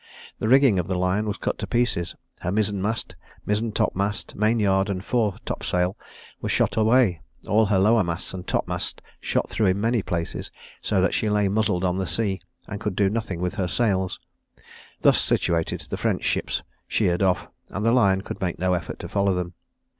The rigging of the Lion was cut to pieces; her mizen mast, mizentop mast, main yard and fore topsail, were shot away; all her lower masts and topmasts shot through in many places, so that she lay muzzled on the sea, and could do nothing with her sails. Thus situated, the French ships sheered off, and the Lion could make no effort to follow them.